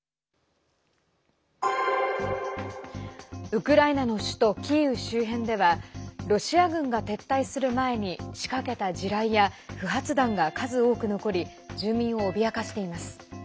ウクライナの首都キーウ周辺ではロシア軍が撤退する前に仕掛けた地雷や不発弾が数多く残り住民を脅かしています。